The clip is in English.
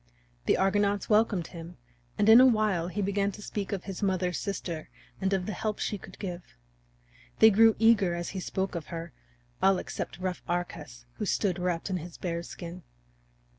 The Argonauts welcomed him, and in a while he began to speak of his mother's sister and of the help she could give. They grew eager as he spoke of her, all except rough Arcas, who stood wrapped in his bear's skin.